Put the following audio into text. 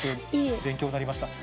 勉強になりました。